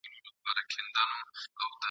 کندهار تاریخي ښار دی.